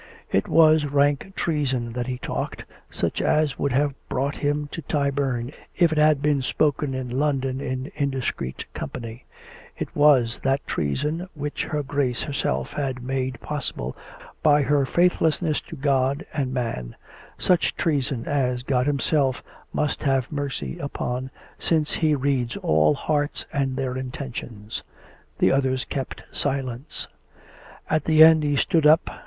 It was rank treason that he talked, such as would have brought him to Tyburn if it had been spoken in London in indiscreet company; it was that treason which her Grace herself had made pos sible by her faithlessness to God and man; such treason as God Himself must have mercy upon, since He reads all hearts and their intentions. The others kept silence. At the end he stood up.